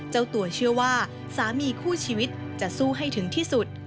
เจ้าตัวเชื่อว่าสามีคู่ชีวิตจะสู้ให้ถึงที่สุด